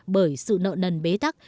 bởi sự nợ nần bế tắc